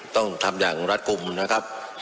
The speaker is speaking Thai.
ต้องทำอย่างรัฐกลุ่มนะครับ